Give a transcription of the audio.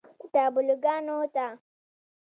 و تابلوګانو ته